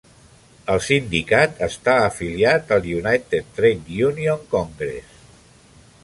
El sindicat està afiliat al United Trade Union Congress.